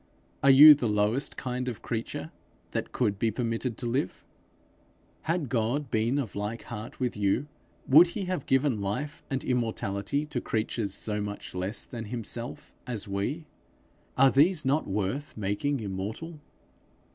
Are you the lowest kind of creature that could be permitted to live? Had God been of like heart with you, would he have given life and immortality to creatures so much less than himself as we? Are these not worth making immortal?